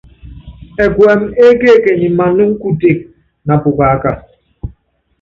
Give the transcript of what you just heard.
Ɛkuɛmɛ ékekenyi manúŋɔ kutéke na pukaka.